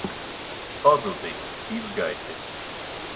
Pazudis. Izgaisis.